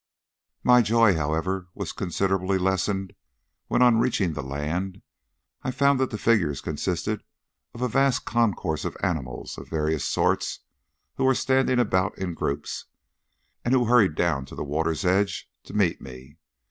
My joy, however, was considerably lessened when on reaching the land I found that the figures consisted of a vast concourse of animals of various sorts who were standing about in groups, and who hurried down to the water's edge to meet me.